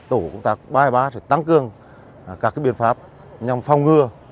tổ công tác ba trăm hai mươi ba sẽ tăng cường các biện pháp nhằm phong ngừa